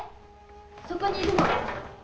そこにいるの。